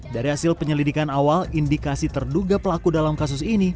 dari hasil penyelidikan awal indikasi terduga pelaku dalam kasus ini